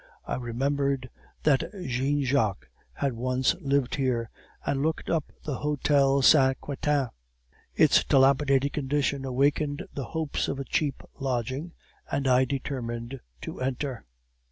I remembered that Jean Jacques had once lived here, and looked up the Hotel Saint Quentin. Its dilapidated condition awakened hopes of a cheap lodging, and I determined to enter.